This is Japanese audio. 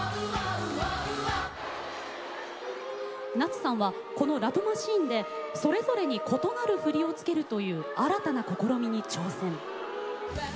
夏さんはこの「ＬＯＶＥマシーン」でそれぞれに異なる振りを付けるという新たな試みに挑戦。